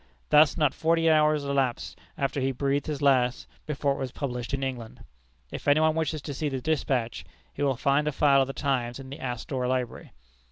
Thus not forty eight hours elapsed after he breathed his last, before it was published in England. If any one wishes to see the despatch, he will find a file of The Times in the Astor Library.